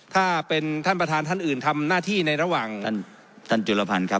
ถ้าเป็นท่านประธานท่านอื่นทำหน้าที่ในระหว่างท่านจุลพันธ์ครับ